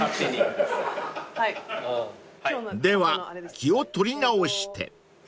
［では気を取り直して］